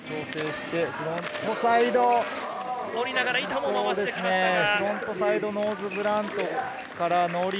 降りながら板も回してきましたが、失敗。